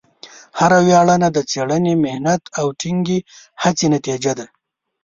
هره ویاړنه د څېړنې، محنت، او ټینګې هڅې نتیجه ده.